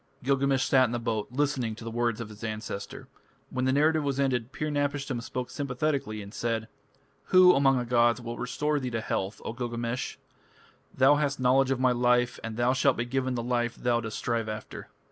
Gilgamesh sat in the boat listening to the words of his ancestor. When the narrative was ended, Pir napishtim spoke sympathetically and said: "Who among the gods will restore thee to health, O Gilgamesh? Thou hast knowledge of my life, and thou shalt be given the life thou dost strive after.